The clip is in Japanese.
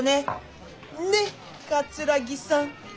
ねっ桂木さん。